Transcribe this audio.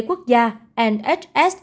quốc gia nhs